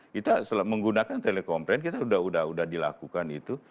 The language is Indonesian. kita menggunakan telekomplain kita sudah dilakukan itu